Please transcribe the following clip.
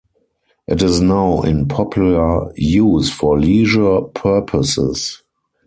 It is now in popular use for leisure purposes.